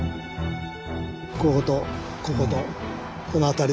こことこことこの辺りでの戦いを。